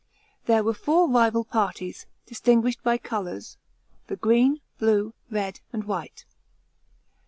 There were four rival parties, dis tinguished by colours, the green, blue, red, and white.